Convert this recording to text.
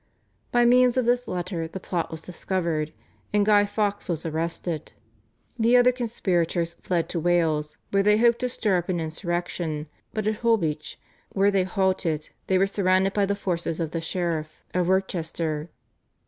By means of this letter the plot was discovered, and Guy Fawkes was arrested. The other conspirators fled to Wales, where they hoped to stir up an insurrection, but at Holbeche where they halted they were surrounded by the forces of the sheriff of Worcester.